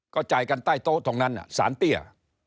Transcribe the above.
ก็จ่ายกันใต้โต๊ะตรงนั้นสารเตี้ย